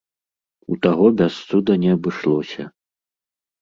У таго без цуда не абышлося.